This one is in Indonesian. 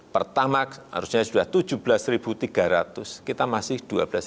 pertama harusnya sudah tujuh belas tiga ratus kita masih dua belas lima ratus